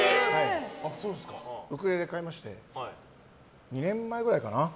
ウクレレ買いまして２年前ぐらいかな